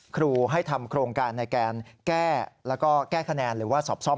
ครูให้ทำโครงการในการแก้แล้วก็แก้คะแนนหรือว่าสอบซ่อม